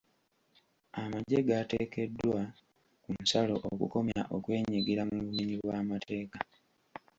Amagye gaateekeddwa ku nsalo okukomya okwenyigira mu bumenyi bw'amateeka.